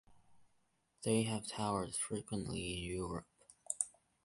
They have toured frequently in Europe.